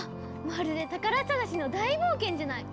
まるで宝探しの大冒険じゃない！